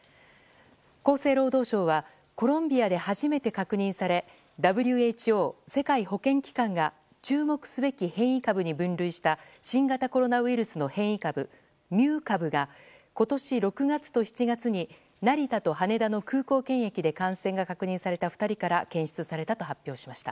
厚生労働省は、コロンビアで初めて確認されＷＨＯ・世界保健機関が注目すべき変異株に分類した新型コロナウイルスの変異株ミュー株が今年６月と７月に、成田と羽田の空港検疫で感染が確認された２人から検出されたと発表しました。